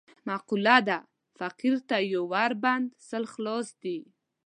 معقوله ده: فقیر ته یو ور بند، سل خلاص دي.